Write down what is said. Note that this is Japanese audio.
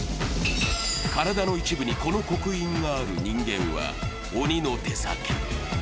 体の一部にこの刻印がある人間は、鬼の手先。